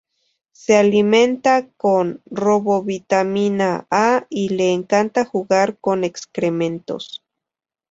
Se "alimenta" con Robovitamina-A, y le encanta jugar con excrementos.